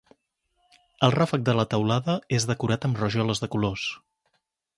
El ràfec de la teulada és decorat amb rajoles de colors.